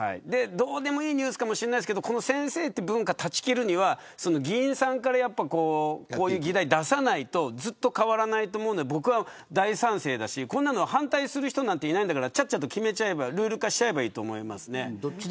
どうでもいいニュースかもしれませんが先生という文化を断ち切るには議員さんからこういう議題を出さないとずっと変わらないと思うので僕は大賛成だし反対する人なんていないんだからちゃっちゃと決めちゃえばルール化しちゃえばいいと思います。